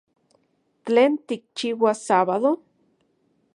¿Tlen tikchiuas sábado?